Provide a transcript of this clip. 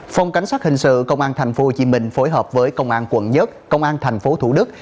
phòng cảnh sát hình sự công an tp hcm phối hợp với công an quận một công an tp thủ đức